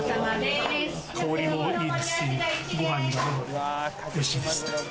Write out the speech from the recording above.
香りもいいですし、ごはんにも合って、おいしいです。